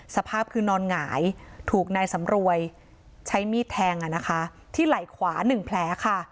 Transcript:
สภาพคือนอนหงายถูกนายสำรวยใช้มีดแทงที่ไหล่ขวา๑แผลค่ะ